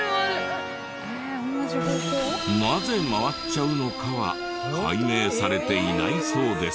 なぜ回っちゃうのかは解明されていないそうです。